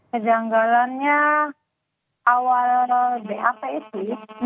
kejanggalannya awal bap itu